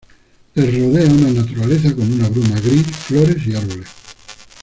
Les rodea una naturaleza con una bruma gris, flores y árboles.